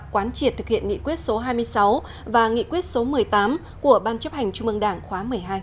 quán triệt thực hiện nghị quyết số hai mươi sáu và nghị quyết số một mươi tám của ban chấp hành trung ương đảng khóa một mươi hai